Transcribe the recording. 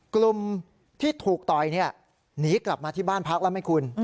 กลุ่มที่ถูกต่อยหนีกลับมาที่บ้านพักแล้วไหมคุณ